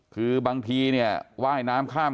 คือบางทีเนี่ยว่ายน้ำข้าม